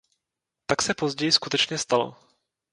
Tak se později skutečně stalo.